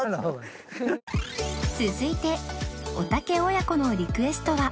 続いておたけ親子のリクエストは